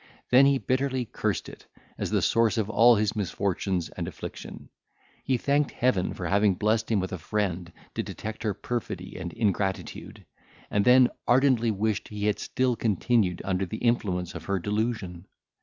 Then he bitterly cursed it, as the source of all his misfortunes and affliction. He thanked Heaven for having blessed him with a friend to detect her perfidy and ingratitude; and then ardently wished he had still continued under the influence of her delusion.